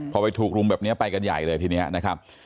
พอไปถูกรุมแบบนี้ไปกันใหญ่เลยทีนี้นะครับ